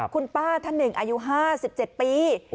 คุณป้าท่านหนึ่งอายุ๕๗ปี